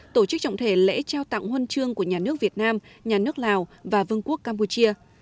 tổ chức trọng thể lễ trao tặng huân chương của nhà nước việt nam nhà nước lào và vương quốc campuchia